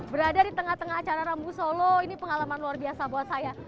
berada di tengah tengah acara rambu solo ini pengalaman luar biasa buat saya